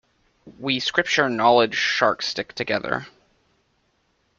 We Scripture-knowledge sharks stick together.